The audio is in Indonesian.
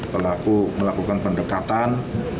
pelaku melakukan pendekatan